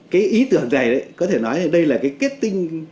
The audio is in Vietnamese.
cái ý tưởng này có thể nói là đây là cái kết tinh